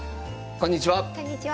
こんにちは。